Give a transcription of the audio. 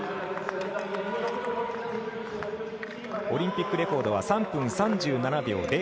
オリンピックレコードは３分３７秒０８。